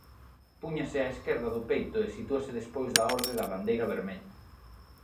Púñase á esquerda do peito e sitúase despois da Orde da Bandeira Vermella.